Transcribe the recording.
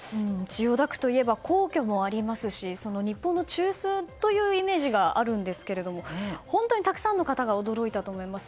千代田区といえば皇居もありますし日本の中枢というイメージがあるんですけども本当にたくさんの方が驚いたと思います。